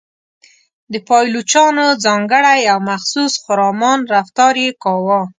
د پایلوچانو ځانګړی او مخصوص خرامان رفتار یې کاوه.